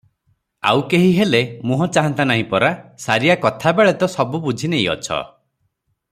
ଆଉ କେହି ହେଲେ ମୁହଁ ଚାହନ୍ତା ନାହିଁ ପରା?" ସାରିଆ କଥାବେଳେ ତ ସବୁ ବୁଝି ନେଇଅଛ!